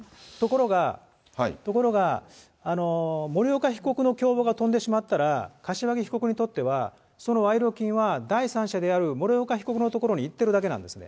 ところが、森岡被告の共謀が飛んでしまったら、柏木被告にとっては、その賄賂金は第三者である森岡被告のところにいってるだけなんですね。